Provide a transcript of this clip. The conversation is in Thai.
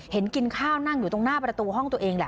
เห็นกินข้าวนั่งอยู่ตรงหน้าประตูห้องตัวเองแหละ